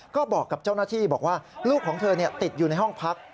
ก็บอกกับเจ้าหน้าที่บอกว่าลูกของเธอติดอยู่ในห้องพัก